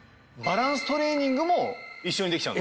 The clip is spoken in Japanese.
バランストレーニング？